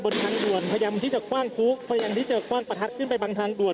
ทางด่วนพยายามที่จะคว่างคุกพยายามที่จะคว่างประทัดขึ้นไปบางทางด่วน